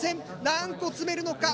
何個積めるのか。